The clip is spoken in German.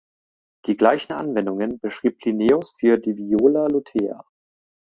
Die gleichen Anwendungen beschrieb Plinius für die «viola lutea».